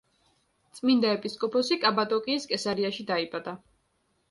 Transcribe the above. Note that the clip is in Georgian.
წმინდა ეპისკოპოსი კაბადოკიის კესარიაში დაიბადა.